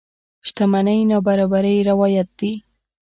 شتمنۍ نابرابرۍ روايت دي.